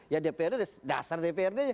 ya dprd dasar dprd